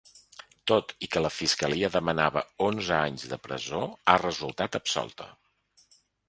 Tot i que la fiscalia demanava onze anys de presó, ha resultat absolta.